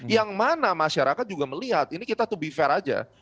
yang mana masyarakat juga melihat ini kita to be fair aja